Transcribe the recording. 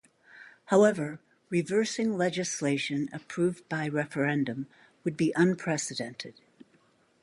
However, reversing legislation approved by referendum would be unprecedented.